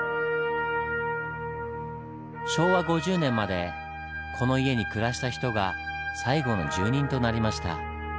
昭和５０年までこの家に暮らした人が最後の住人となりました。